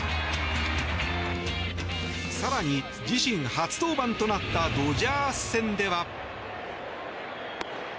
更に自身初登板となったドジャース戦では。